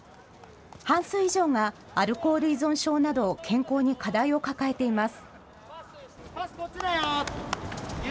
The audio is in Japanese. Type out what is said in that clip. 半数以上がアルコール依存症など、健康に課題を抱えています。